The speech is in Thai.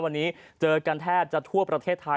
วันนี้เจอกันแทบจะทั่วประเทศไทย